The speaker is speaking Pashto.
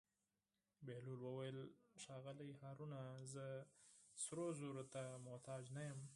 بهلول وویل: ښاغلی هارونه زه سرو زرو ته محتاج نه یم.